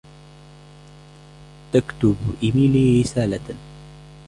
تكتب إيميلي رسالةً.